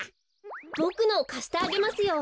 ボクのをかしてあげますよ。